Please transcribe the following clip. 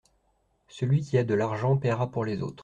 Celui qui a de l’argent paiera pour les autres.